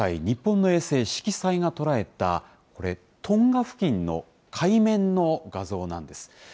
日本の衛星しきさいが捉えた、これ、トンガ付近の海面の画像なんです。